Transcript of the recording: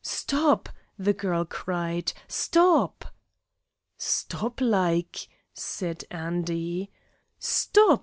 "Stop!" the girl cried. "Stop!" "Stop like ," said Andy. "Stop!